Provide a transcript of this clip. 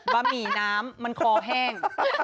ะหมี่น้ำมันคอแห้ง